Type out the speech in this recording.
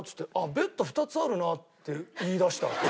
「ベッド２つあるな」って言いだしたわけ。